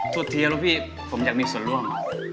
สุดทีอะหรือพี่ผมอยากมีส่วนร่วม